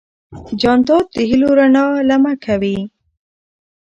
جانداد د هېلو رڼا لمع کوي.